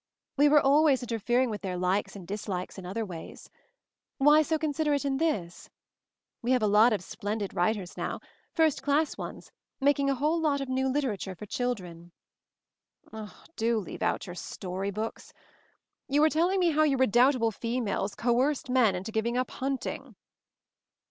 We were always interfering with their likes and dislikes in other ways. Why so considerate in this? We have a lot of splendid writers now— first class ones making a whole lot of new literature for children." "Do leave out your story books. You were telling me how you redoubtable females coerced men into giving up hunting."